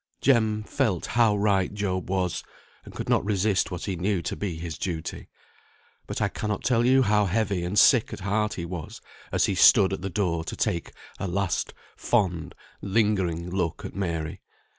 Jem felt how right Job was, and could not resist what he knew to be his duty, but I cannot tell you how heavy and sick at heart he was as he stood at the door to take a last fond, lingering look at Mary.